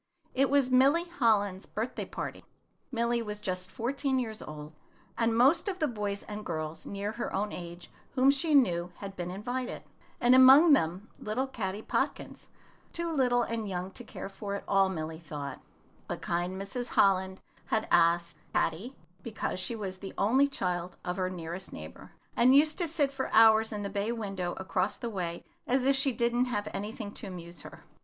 It was Milly Holland's birthday party. Milly was just fourteen years old, and most of the boys and girls near her own age whom she knew had been invited, and among them little Caddy Podkins, too little and young to care for at all, Milly thought; but kind Mrs. Holland had asked Caddy, because she was the only child of her nearest neighbor, and used to sit for hours in the bay window across the way as if she did not have anything to amuse her.